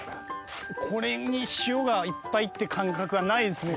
これに塩がいっぱいって感覚はないですね。